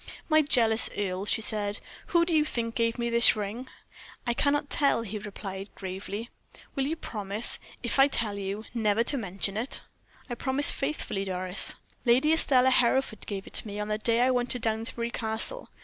"My jealous Earle," she said; "who do you think gave me this ring?" "I cannot tell," he replied, gravely. "Will you promise, if I tell you, never to mention it?" "I promise faithfully, Doris." "Lady Estelle Hereford gave it to me on the day I went to Downsbury Castle.